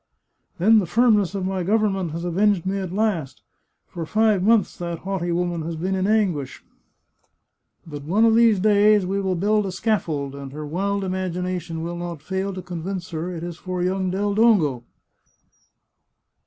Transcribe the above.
" Then the firmness of my government has avenged me at last! For five months that haughty woman has been in anguish. But one of these days we will build a scaffold, and her wild imagination will not fail to convince her it is for young Del Dongo."